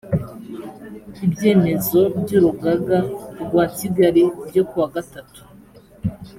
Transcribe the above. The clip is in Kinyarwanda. ibyemezo by urugaga rwa kigali byo kuwa gatatu